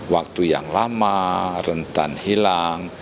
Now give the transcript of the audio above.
waktu yang lama rentan hilang